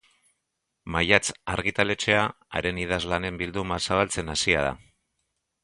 Maiatz argitaletxea haren idazlanen bilduma zabaltzen hasia da.